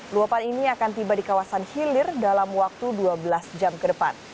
luapan ini akan tiba di kawasan hilir dalam waktu dua belas jam ke depan